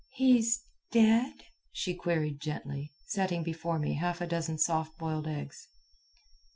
"He is dead?" she queried gently, setting before me half a dozen soft boiled eggs.